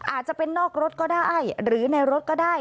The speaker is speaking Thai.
อาจจะเป็นนอกรถก็ได้หรือในรถก็ได้